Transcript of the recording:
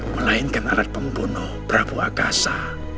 melainkan alat pembunuh prabu akasa